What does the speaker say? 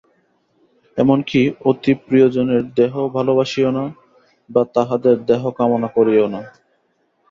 এমন কি অতি প্রিয়জনের দেহও ভালবাসিও না, বা তাহাদের দেহ কামনা করিও না।